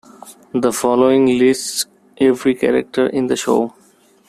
The following lists every character in the show.